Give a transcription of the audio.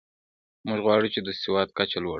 موږ غواړو چې د سواد کچه لوړه کړو.